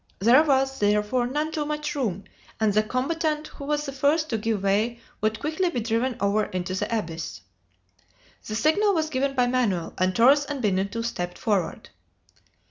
There was, therefore, none too much room, and the combatant who was the first to give way would quickly be driven over into the abyss. The signal was given by Manoel, and Torres and Benito stepped forward.